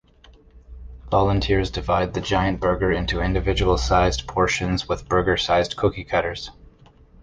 Volunteers divide the giant burger into individual sized portions with burger-sized cookie cutters.